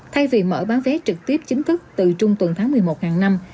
thay vì mở bán vé trực tiếp chính thức từ trung tuần tháng một mươi một hàng năm